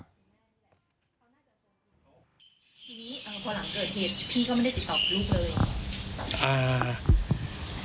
ทีนี้พอหลังเกิดเหตุพี่ก็ไม่ได้ติดต่อกับลูกเลยอ่า